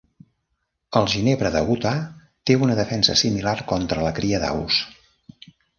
El ginebre de Utah té una defensa similar contra la cria d'aus.